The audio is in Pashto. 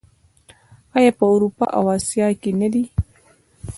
آیا په اروپا او اسیا کې نه دي؟